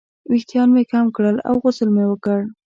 ویښتان مې کم کړل او غسل مې وکړ.